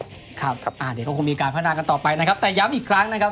แพ้จริงครับครับอ่าเดี๋ยวก็คงมีการพัฒนากันต่อไปนะครับแต่ย้ำอีกครั้งนะครับ